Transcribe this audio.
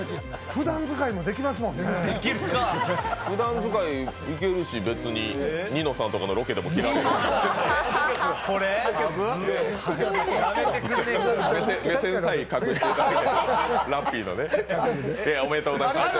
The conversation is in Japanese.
ふだん使いいけるし、別に「にのさん」とかのロケでも着られますし。